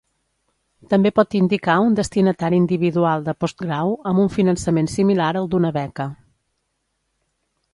També pot indicar un destinatari individual de postgrau amb un finançament similar al d'una beca.